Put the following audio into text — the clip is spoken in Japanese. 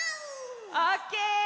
オッケー！